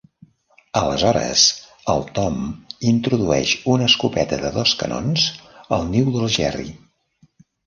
Aleshores, el Tom introdueix una escopeta de dos canons al niu del Jerry.